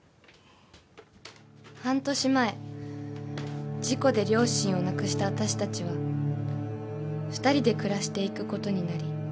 ［半年前事故で両親を亡くした私たちは２人で暮らしていくことになり］